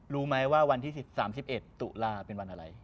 รู้ไหมว่าวันที่๓๑ตุลาเป็นวันอะไร